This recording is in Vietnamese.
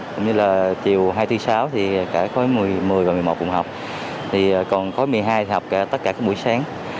cũng như là chiều hai bốn sáu thì cả khối một mươi một mươi một cùng học còn khối một mươi hai thì học tất cả các buổi sáng